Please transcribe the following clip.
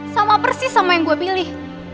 sama persis sama yang gue pilih